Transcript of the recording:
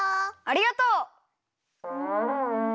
ありがとう。